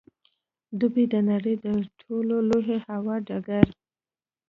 دوبۍ د نړۍ د تر ټولو لوی هوايي ډګر